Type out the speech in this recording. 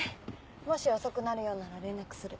もし遅くなるようなら連絡する。